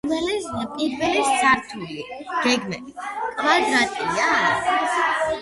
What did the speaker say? პირველი სართული გეგმით კვადრატია.